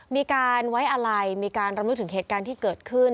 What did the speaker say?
มีการไว้อะไรมีการรำลึกถึงเหตุการณ์ที่เกิดขึ้น